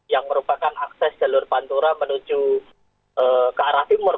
yang merupakan akses jalur pantura menuju ke arah timur